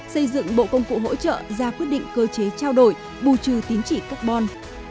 xây dựng bộ công cụ hỗ trợ ra quyết định cơ chế trao đổi bù trừ tín trị carbon